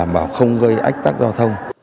bảo không gây ách tác giao thông